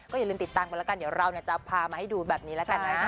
อย่าลืมติดตามกันแล้วกันเดี๋ยวเราจะพามาให้ดูแบบนี้แล้วกันนะ